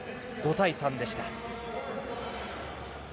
５対３でした。